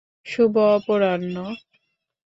শুভ অপরাহ্ন!